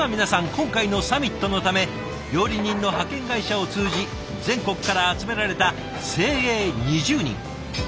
今回のサミットのため料理人の派遣会社を通じ全国から集められた精鋭２０人。